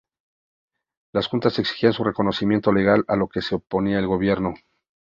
Las juntas exigían su reconocimiento legal a lo que se oponía el gobierno.